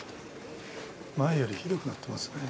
前よりひどくなってますね。